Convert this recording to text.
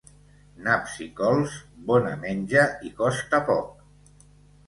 Naps i cols, bona menja i costa poc.